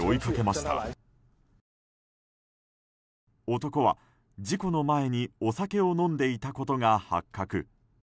男は、事故の前にお酒を飲んでいたことが発覚。